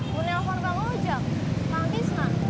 mau nelpon bang ujak pak gizman